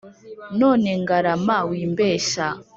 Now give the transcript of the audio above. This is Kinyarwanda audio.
None Ngarama wimbeshya